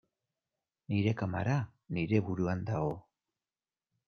Nire kamera nire buruan dago.